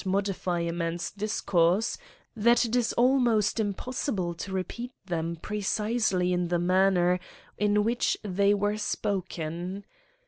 modify a man's discourse, that it is almost impos sible to repeat them precisely in the mannet in which they were spoken.